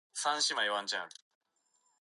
私は真面目な学生だ